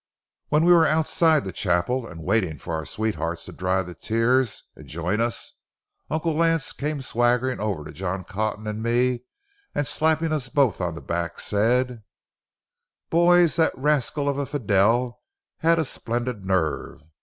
When we were outside the chapel, and waiting for our sweethearts to dry their tears and join us, Uncle Lance came swaggering' over to John Cotton and me, and, slapping us both on the back, said:— "Boys, that rascal of a Fidel has a splendid nerve.